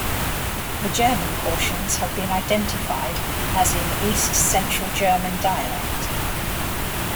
The German portions have been identified as in East Central German dialect.